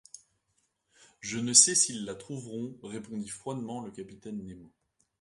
Je ne sais s’ils la trouveront, répondit froidement le capitaine Nemo.